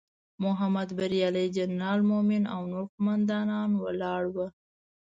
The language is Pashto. محمود بریالی، جنرال مومن او نور قوماندان ولاړ وو.